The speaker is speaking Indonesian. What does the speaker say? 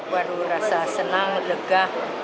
waduh rasa senang lega